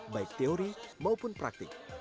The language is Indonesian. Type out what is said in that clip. baik teori maupun praktik